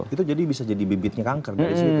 itu jadi bisa jadi bibitnya kanker dari situ